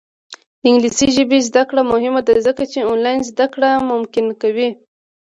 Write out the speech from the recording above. د انګلیسي ژبې زده کړه مهمه ده ځکه چې آنلاین زدکړه ممکنه کوي.